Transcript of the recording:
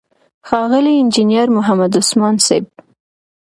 ښاغلی انجينر محمد عثمان صيب،